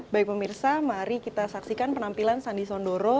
baik pemirsa mari kita saksikan penampilan sandi sondoro